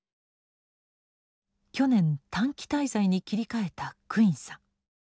去年短期滞在に切り替えたクインさん。